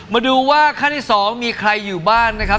มาดูว่าขั้นที่๒มีใครอยู่บ้างนะครับ